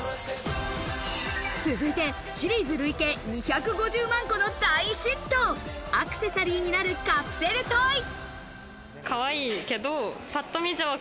続いてシリーズ累計２５０万個の大ヒット、アクセサリーになるカプセルトイ。